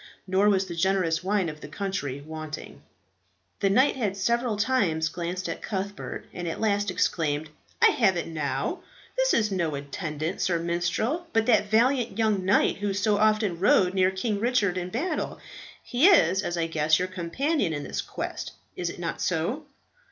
Nor was the generous wine of the country wanting. The knight had several times glanced at Cuthbert, and at last exclaimed, "I have it now. This is no attendant, sir minstrel, but that valiant young knight who so often rode near King Richard in battle. He is, as I guess, your companion in this quest; is it not so?"